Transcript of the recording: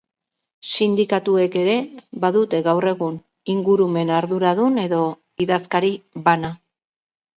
Sindikatuek ere badute gaur egun ingurumen arduardun edo idazkari bana.